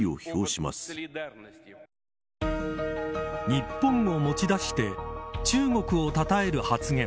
日本を持ち出して中国をたたえる発言